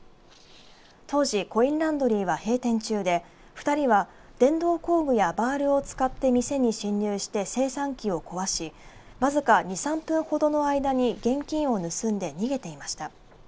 当時コインランドリーは閉店中で２人は電動工具やバールを使って店に侵入して精算機を壊しわずか２、３分ほどの間に現金を盗んで逃げていきました。